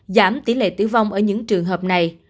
giảm tỷ lệ tử vong ở những trường hợp này